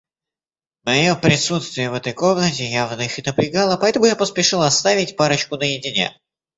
Мое присутствие в этой комнате явно их напрягало, поэтому я поспешил оставить парочку наедине.